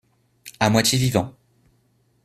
À moitié vivant.